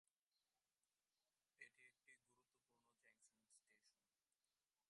এটি একটি গুরুত্বপূর্ণ জংশন স্টেশন।